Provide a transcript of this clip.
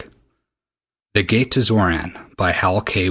] The Gate to Xoran _By Hal K.